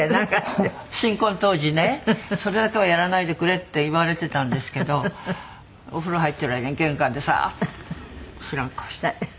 新婚当時ねそれだけはやらないでくれって言われていたんですけどお風呂入っている間に玄関でサーッて知らん顔して。